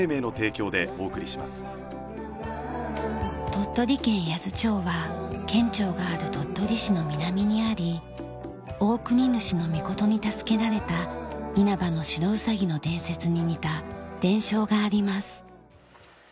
鳥取県八頭町は県庁がある鳥取市の南にあり大国主命に助けられた「因幡の白兎」の伝説に似た伝承があります。